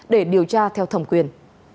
để điều tra theo thẩm quyền